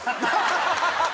ハハハハ！